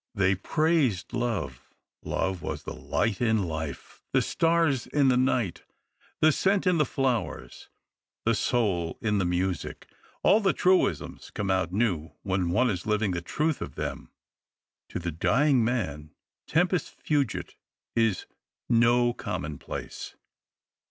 They praised love — love was the light in life, the stars in the night, the scent in the flowers, the soul in the music. All the truisms come out new when one is living the truth of them. To the dying man Temims fugit is no commonplace.